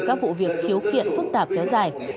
các vụ việc khiếu kiện phức tạp kéo dài